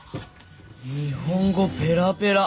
日本語ペラペラ。